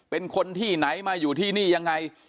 เป็นคนที่ไหนมาอยู่ที่นี่ยังไง